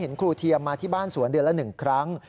ครูเทียมมาที่บ้านสวนเดือนละ๑ครั้ง